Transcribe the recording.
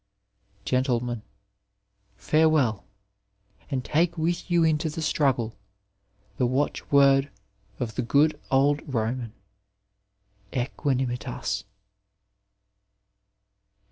Gentlemen, — ^Farewell, and take with you into the struggle the watchword of the good old Roman — Aequanimitaa.